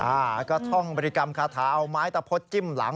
อ่าก็ท่องบริกรรมคาถาเอาไม้ตะพดจิ้มหลัง